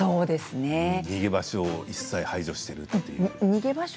逃げ場所を一切、排除している。